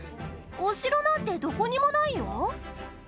お城なんて、どこにもないよ？